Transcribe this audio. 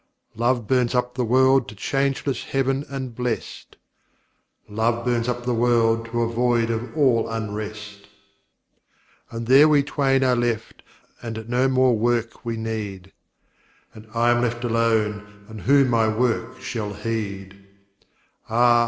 Love burns up the world to changeless heaven and blest, "Love burns up the world to a void of all unrest." And there we twain are left, and no more work we need: "And I am left alone, and who my work shall heed?" Ah!